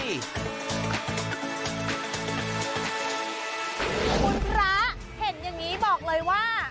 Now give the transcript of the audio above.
คุณพระเห็นอย่างนี้บอกเลยว่า